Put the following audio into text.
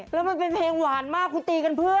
แล้วมันเป็นเพลงหวานมากคุณตีกันเพื่อ